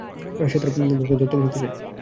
সে তোর বোনকে দত্তক নিতে চায়।